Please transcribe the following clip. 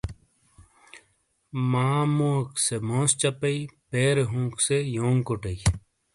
ماں مُوووک سے موس چَپئیی، پیرے ہُونک سے یونگ کُوٹئیی۔